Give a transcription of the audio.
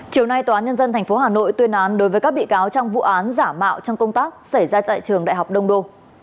chiều nay tnth hà nội tuyên án đối với các bị cáo trong vụ án giả mạo trong công tác xảy ra tại trường đại học đông đô